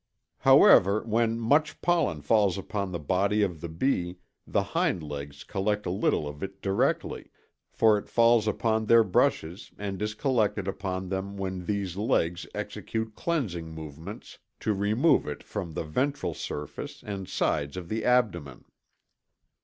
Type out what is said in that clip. However, when much pollen falls upon the body of the bee the hind legs collect a little of it directly, for it falls upon their brushes and is collected upon them when these legs execute cleansing movements to remove it from the ventral surface and sides of the abdomen.